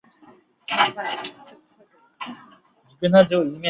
而厄瓜多尔共和国也因此成立。